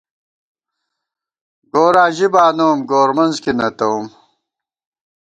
گوراں ژی بانوم، گورمنز کی نہ تَوُم